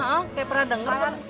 iya kayak pernah denger